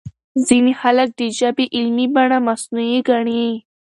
ځينې خلک د ژبې علمي بڼه مصنوعي ګڼي.